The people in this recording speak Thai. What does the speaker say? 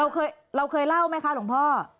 เราเคยเล่าไหมคะหลวงพ่อ